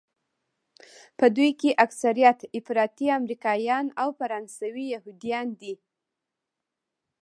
په دوی کې اکثریت افراطي امریکایان او فرانسوي یهودیان دي.